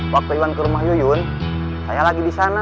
waktu iwan ke rumah yuyun saya lagi di sana